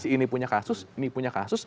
ini punya kasus ini punya kasus